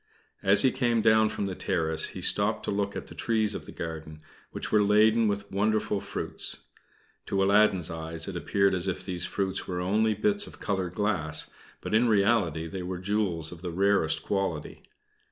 As he came down from the terrace, he stopped to look at the trees of the garden, which were laden with wonderful fruits. To Aladdin's eyes it appeared as if these fruits were only bits of colored glass, but in reality they were jewels of the rarest quality.